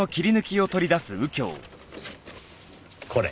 これ。